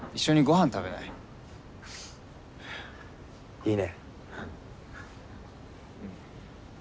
いいね。